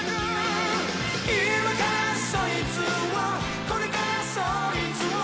今からそいつをこれからそいつを